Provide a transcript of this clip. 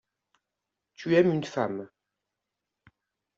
Tu aimes une femme.